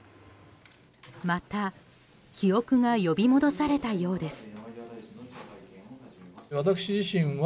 また記憶が呼び戻されたようです。